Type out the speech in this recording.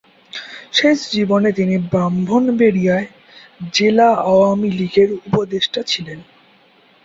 শেষ জীবনে তিনি ব্রাহ্মণবাড়িয়ায় জেলা আওয়ামী লীগের উপদেষ্টা ছিলেন।